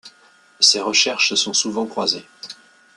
Ces recherches se sont souvent croisées.